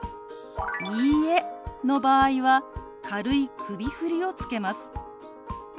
「いいえ」の場合は軽い首振りをつけます。